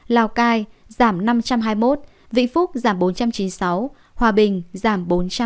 lào cai giảm năm trăm hai mươi một vĩ phúc giảm bốn trăm chín mươi sáu hòa bình giảm bốn trăm ba mươi năm